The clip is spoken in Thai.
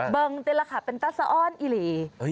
เบิ้งแต่ละค่ะเป็นตัสออนอีหรี่